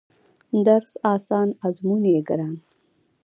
درس اسان ازمون يې ګران دی